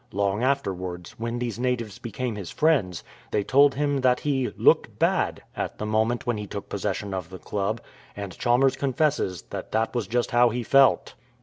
Long afterwards, when these natives became his friends, they told him that he " looked bad " at the moment when he took possession of the club ; and Chalmers confesses that that was just how he felt.